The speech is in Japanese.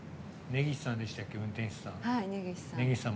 ねぎしさんでしたっけ運転手さん。